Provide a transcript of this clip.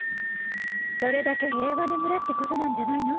それだけ平和な村ってことなんじゃないの。